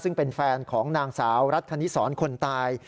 ซึ่งเป็นแฟนของนางสาวรัฐคณิสรคนตาย